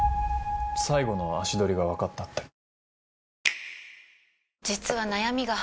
最後の足取りが分かったって。